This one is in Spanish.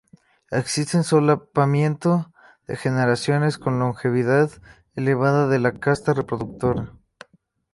Existe solapamiento de generaciones con longevidad elevada de la casta reproductora.